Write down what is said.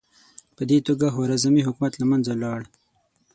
په دې توګه خوارزمي حکومت له منځه لاړ.